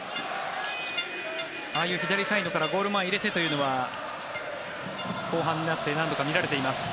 ああいう左サイドからゴール前へ入れてというのは後半になって何度か見られています。